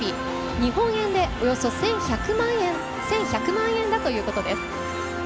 日本円でおよそ１１００万円だということです。